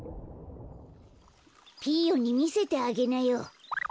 ピーヨンにみせてあげなよ。